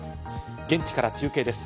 現地から中継です。